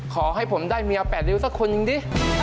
ขอให้ผมได้เมีย๘ริ้วสักคนหนึ่งดิ